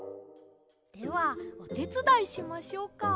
ではおてつだいしましょうか。